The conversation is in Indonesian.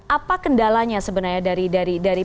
apa kendalanya sebenarnya dari